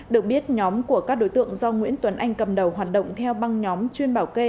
được biết nhóm của các đối tượng do nguyễn tuấn anh cầm đầu hoạt động theo băng nhóm chuyên bảo kê